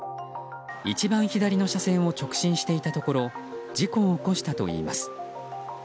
一番左の車線を直進していたところ事故を起こしたといいます。